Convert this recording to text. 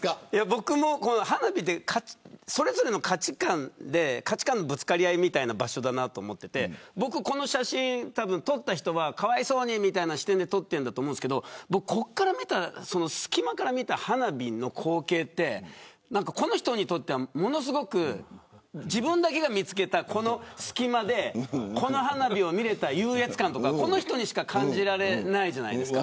花火ってそれぞれの価値感のぶつかり合いみたいな場所だと思っていてこの写真を撮った人は多分かわいそうにみたいな視点で撮っていると思うんですけど隙間から見た花火の光景ってこの人にとってはものすごく自分だけが見つけた隙間でこの花火を見れた優越感とかこの人にしか感じられないじゃないですか。